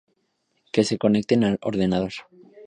Que se conectan al ordenador.